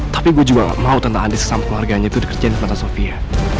tapi gue juga gak mau tante andis kesama keluarganya itu dikerjain sama tante sofia